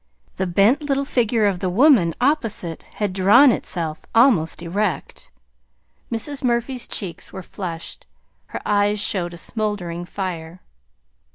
The bent little figure of the woman opposite had drawn itself almost erect. Mrs. Murphy's cheeks were flushed. Her eyes showed a smouldering fire.